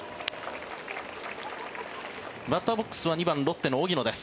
バッターボックスは２番ロッテの荻野です。